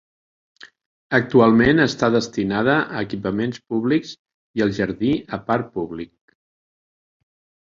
Actualment està destinada a equipaments públics i el jardí a parc públic.